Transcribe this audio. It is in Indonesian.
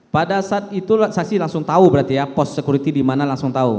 pada saat itu saksi langsung tahu berarti ya post security di mana langsung tahu